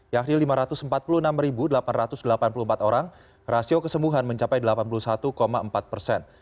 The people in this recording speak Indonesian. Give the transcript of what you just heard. yakni lima ratus empat puluh enam delapan ratus delapan puluh empat orang rasio kesembuhan mencapai delapan puluh satu empat persen